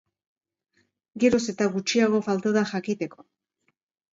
Geroz eta gutxiago falta da jakiteko!